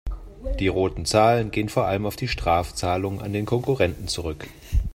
Die roten Zahlen gehen vor allem auf die Strafzahlungen an den Konkurrenten zurück.